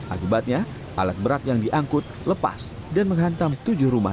akibatnya alat berat yang diangkut lepas dan menghantam tujuh rumah